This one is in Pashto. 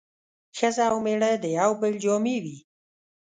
ښځه او مېړه د يو بل جامې وي